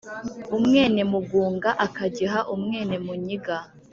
umwénemugung akagih umwénemúnyiga